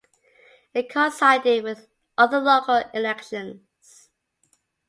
It coincided with other local elections.